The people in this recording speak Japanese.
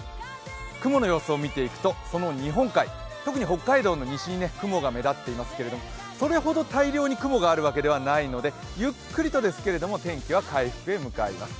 雲の様子を見ていくと、その日本海特に北海道の西に雲が目立っていますがそれほど大量に雲があるわけではないのでゆっくりとですけれども、天気は回復へ向かいます。